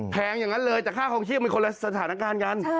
แพงอย่างนั้นเลยแต่ค่าคลองชีพมันคนละสถานการณ์กัน